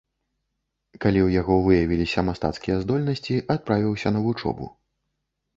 Калі ў яго выявіліся мастацкія здольнасці, адправіўся на вучобу.